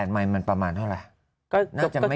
๐๘ไหมมันประมาณเท่าไร